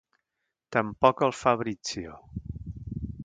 Tampoc al Fabrizio.